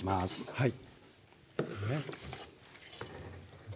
はい。